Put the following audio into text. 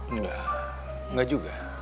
enggak enggak juga